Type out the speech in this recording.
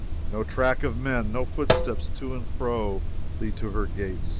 No track of men, no footsteps to and fro, Lead to her gates!